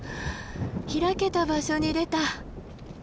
開けた場所に出た。